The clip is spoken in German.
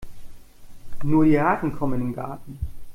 Nur die Harten kommen in den Garten.